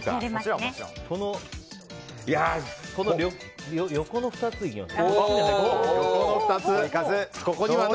この横の２ついきます。